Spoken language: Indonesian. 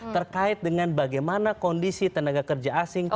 terkait dengan bagaimana kondisi tenaga kerja asing